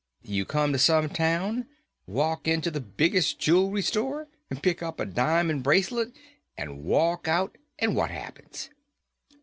You come to some town, walk into the biggest jewelry store, pick up a diamond bracelet, and walk out. And what happens?"